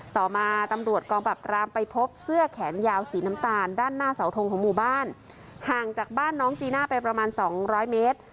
ต่อมาตำรวจกองปรับรามไปพบเสื้อแขนยาวสีน้ำตาลด้านหน้าเสาทงของหมู่บ้านห่างจากบ้านน้องจีน่าไปประมาณสองร้อยเมตร